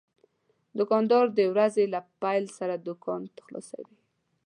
دوکاندار د ورځې له پېل سره دوکان خلاصوي.